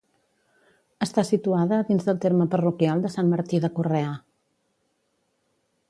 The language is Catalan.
Està situada dins del terme parroquial de Sant Martí de Correà.